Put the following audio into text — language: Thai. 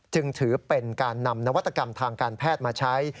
จึงถือเป็นการนำนวัตกรรมทางการแพทย์มาใช้